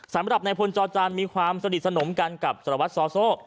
สำหรับในพลจจมีความสนิทสนมกันกับจรวรรษสาวโซ